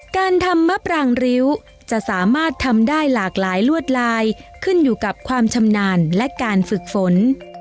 การทำมะปรางริ้วจะสามารถทำได้หลากหลายลวดลายขึ้นอยู่กับความชำนาญและการฝึกฝน